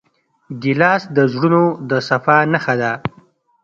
ګیلاس د زړونو د صفا نښه ده.